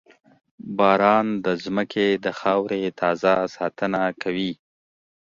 • باران د زمکې د خاورې تازه ساتنه کوي.